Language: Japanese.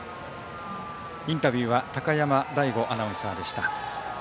インタビューは高山大吾アナウンサーでした。